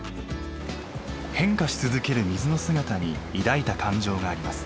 変化し続ける水の姿に抱いた感情があります。